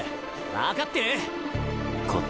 分かってる！